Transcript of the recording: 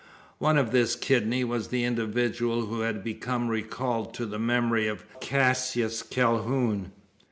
One of this kidney was the individual who had become recalled to the memory of Cassius Calhoun.